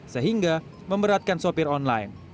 sehingga memberatkan sopir online